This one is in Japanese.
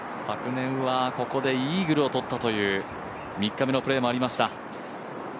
昨年はここでイーグルをとったという３日目のプレーもありました。